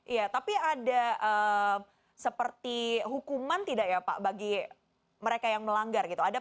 iya tapi ada seperti hukuman tidak ya pak bagi mereka yang melanggar gitu